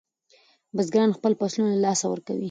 بزګران خپل فصلونه له لاسه ورکوي.